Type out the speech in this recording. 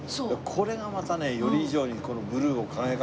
これがまたねより以上にこのブルーを輝かせてるんだよね。